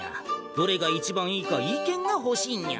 どれが一番いいか意見がほしいにゃ。